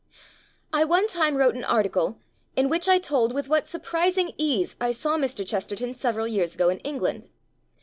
I one time wrote an article in which I told with what surprising ease I saw Mr. Chesterton several years ago in England.